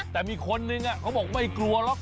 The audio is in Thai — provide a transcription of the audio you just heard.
แต่มีคนหนึ่งเขาบอกไม่กลัวละ